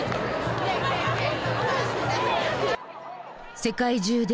世界中で＃